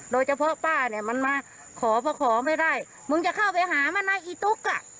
โดยเฉพาะป้าเนี่ยมันมาขอเพราะขอไม่ได้มึงจะเข้าไปหามันนะอีตุ๊กอ่ะ